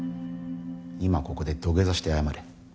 今ここで土下座して謝れ。